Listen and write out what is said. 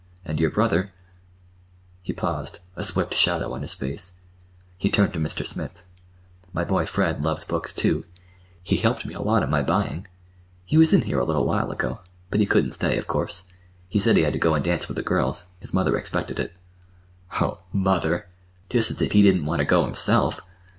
And your brother—" He paused, a swift shadow on his face. He turned to Mr. Smith. "My boy, Fred, loves books, too. He helped me a lot in my buying. He was in here—a little while ago. But he couldn't stay, of course. He said he had to go and dance with the girls—his mother expected it." "Ho! Mother! Just as if he didn't want ter go himself!"